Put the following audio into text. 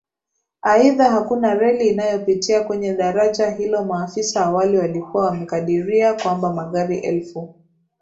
Aidha hakuna reli inayopitia kwenye daraja hilo Maafisa awali walikuwa wamekadiria kwamba magari elfu